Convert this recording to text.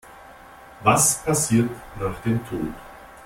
Was passiert nach dem Tod?